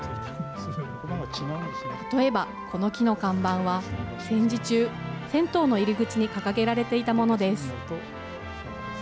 例えばこの木の看板は戦時中、銭湯の入り口に掲げられていたものです。